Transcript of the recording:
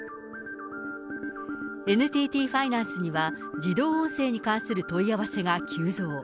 ＮＴＴファイナンスには自動音声に関する問い合わせが急増。